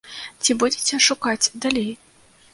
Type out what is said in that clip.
Ці будзеце шукаць далей?